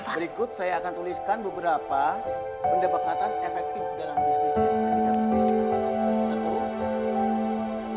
berikut saya akan tuliskan beberapa pendebakan efektif dalam bisnis ini